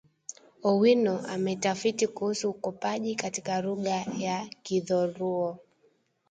Owino ametafiti kuhusu ukopaji katika lugha ya Kidholuo